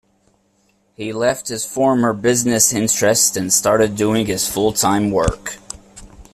He left his former business interests and started doing this work full-time.